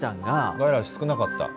外来種少なかった？